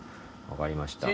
分かりました。